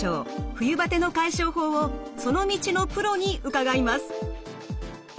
冬バテの解消法をその道のプロに伺います。